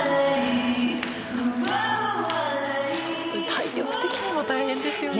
体力的にも大変ですよね。